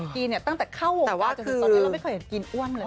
กรีนต้องเป็นปกติตั้งแต่เข้าโอกาสจนตอนนี้เราไม่เคยเห็นกรีนอ้วนเลย